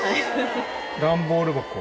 段ボール箱。